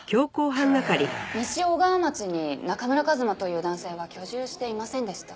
西小川町に中村一馬という男性は居住していませんでした。